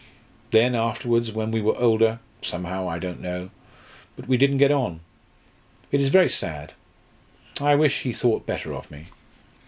Then afterwards, when we were older somehow I don't know but we didn't get on. It is very sad I wish he thought better of me."